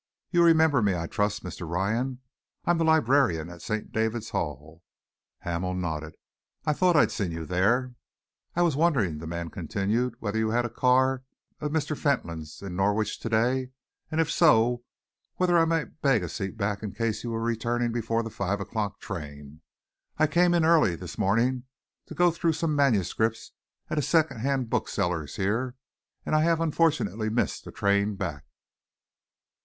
"You remember me, I trust Mr. Ryan. I am the librarian at St. David's Hall." Hamel nodded. "I thought I'd seen you there." "I was wondering," the man continued, "whether you had a car of Mr. Fentolin's in Norwich to day, and if so, whether I might beg a seat back in case you were returning before the five o'clock train? I came in early this morning to go through some manuscripts at a second hand bookseller's here, and I have unfortunately missed the train back."